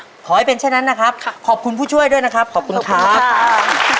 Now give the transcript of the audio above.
ขอให้เป็นเช่นนั้นนะครับขอบคุณผู้ช่วยด้วยนะครับขอบคุณครับค่ะ